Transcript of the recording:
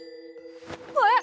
えっ！？